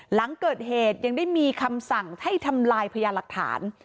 หลังเกิดเหตุยังได้มีคำสั่งให้ทำลายพยานหลักฐาน